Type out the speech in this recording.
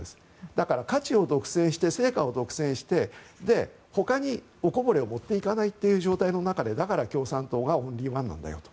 だから価値を独占して成果を独占してほかにおこぼれを持っていなかないという状態の中でだから共産党がオンリーワンなんだよと。